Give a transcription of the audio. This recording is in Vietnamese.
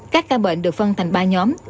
các ca bệnh được phân thành ba nhóm